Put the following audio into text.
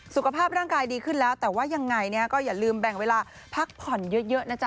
สุขภาพร่างกายดีขึ้นแล้วแต่ว่ายังไงเนี่ยก็อย่าลืมแบ่งเวลาพักผ่อนเยอะนะจ๊